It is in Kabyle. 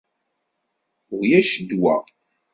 Ulac ddwa.